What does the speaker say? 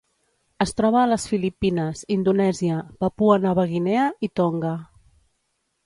Es troba a les Filipines, Indonèsia, Papua Nova Guinea i Tonga.